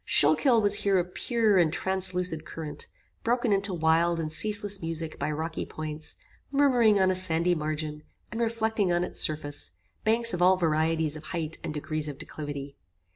Schuylkill was here a pure and translucid current, broken into wild and ceaseless music by rocky points, murmuring on a sandy margin, and reflecting on its surface, banks of all varieties of height and degrees of declivity.